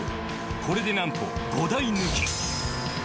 これでなんと５台抜き。